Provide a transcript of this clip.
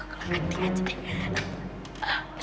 kalo anti aja deh